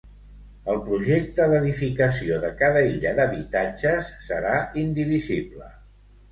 El Projecte d'edificació de cada illa d'habitatges serà indivisible.